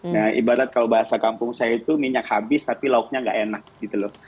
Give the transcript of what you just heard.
nah ibarat kalau bahasa kampung saya itu minyak habis tapi lauknya nggak enak gitu loh